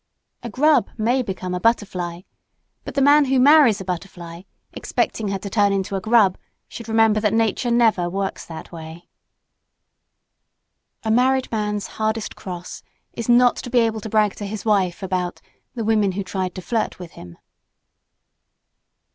A grub may become a butterfly, but the man who marries a butterfly, expecting to turn her into a grub, should remember that nature never works that way. A married man's hardest cross is not to be able to brag to his wife about the women who "tried to flirt with him."